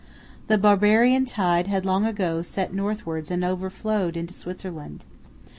The barbarian tide had long ago set northwards and overflowed into Switzerland.